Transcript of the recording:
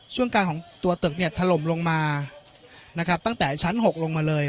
ช่วงกลางของตัวตึกเนี่ยถล่มลงมานะครับตั้งแต่ชั้น๖ลงมาเลย